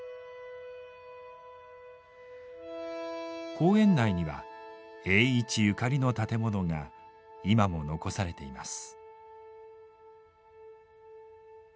公園内には栄一ゆかりの建物が今も残されています。